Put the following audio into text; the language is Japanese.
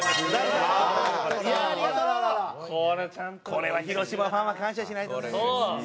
これは広島ファンは感謝しないとね。